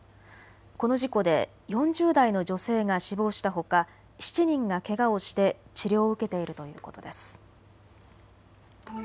この事故で４０代の女性が死亡したほか７人がけがをして治療を受けているということです。